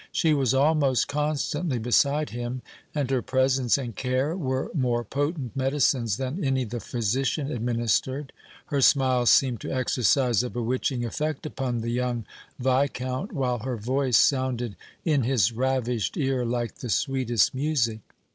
She was almost constantly beside him, and her presence and care were more potent medicines than any the physician administered. Her smile seemed to exercise a bewitching effect upon the young Viscount, while her voice sounded in his ravished ear like the sweetest music.